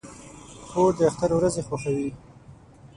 خور د اختر ورځې خوښوي.